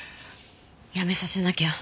やめさせなきゃ。